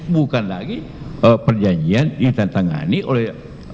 bukan lagi perjanjian ditandatangani oleh